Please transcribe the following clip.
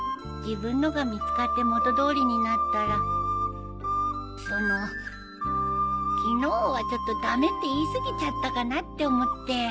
自分のが見つかって元通りになったらその昨日はちょっと駄目って言い過ぎちゃったかなって思って。